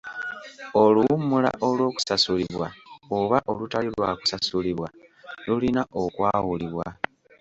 Oluwummula olw'okusasulibwa oba olutali lwa kusasulibwa lulina okwawulibwa.